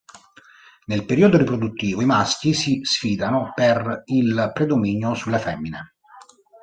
Nel periodo riproduttivo i maschi si sfidano per il predominio sulle femmine.